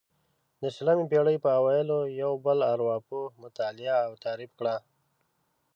د شلمې پېړۍ په اوایلو یو بل ارواپوه مطالعه او تعریف کړه.